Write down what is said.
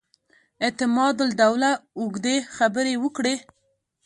اعتماد الدوله اوږدې خبرې وکړې.